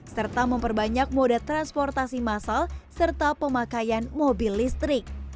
serta memperbanyak mode transportasi massal serta pemakaian mobil listrik